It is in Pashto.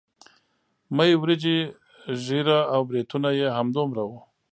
مۍ وريجې ږيره او برېتونه يې همدومره وو.